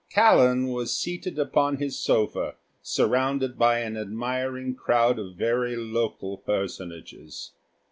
Callan was seated upon his sofa surrounded by an admiring crowd of very local personages.